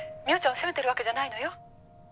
「望緒ちゃんを責めてるわけじゃないのよ」